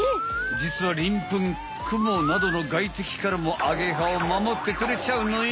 じつはりんぷんクモなどの外敵からもアゲハを守ってくれちゃうのよ。